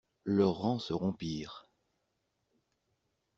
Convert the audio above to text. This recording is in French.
Leurs rangs se rompirent.